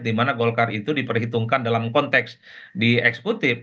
di mana golkar itu diperhitungkan dalam konteks diekskutif